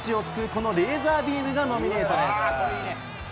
このレーザービームがノミネートです。